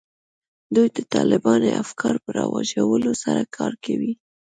دوی د طالباني افکارو په رواجولو سره کار کوي